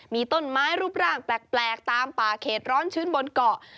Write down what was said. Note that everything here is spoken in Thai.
มีต้นไม้รูปร่างแปลกตามป่าเขตร้อนชื้นบนเกาะ